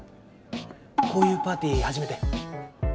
こういうパーティー初めて？